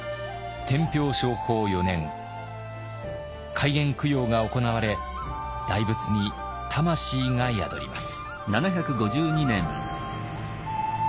開眼供養が行われ大仏に魂が宿ります。